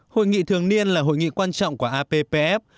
hội nghị thường niên là hội nghị quan trọng của appf